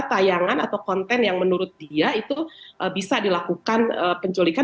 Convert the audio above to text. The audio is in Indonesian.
tayangan atau konten yang menurut dia itu bisa dilakukan penculikan